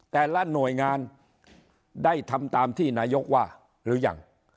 แต่ละหน่วยงานได้ทำตามที่นายกว่าหรือยัง